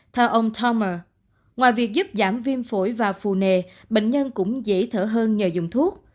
theo ông thoma ngoài việc giúp giảm viêm phổi và phù nề bệnh nhân cũng dễ thở hơn nhờ dùng thuốc